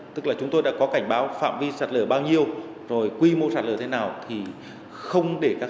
tức là chúng tôi đã có cảnh báo phạm vi sạc lỡ bao nhiêu rồi quy mô sạc lỡ thế nào thì không để các